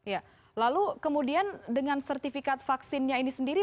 ya lalu kemudian dengan sertifikat vaksinnya ini sendiri